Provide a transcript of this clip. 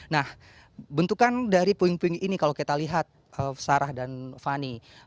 nah bentukan dari puing puing ini kalau kita lihat sarah dan fani